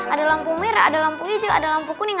ada lampu merah ada lampu hijau ada lampu kuning